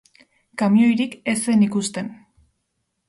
Kamioirik ez zen ikusten.